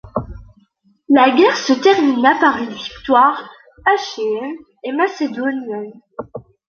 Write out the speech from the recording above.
La guerre se termina par une victoire achéenne et macédonienne.